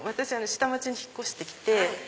下町に引っ越して来て。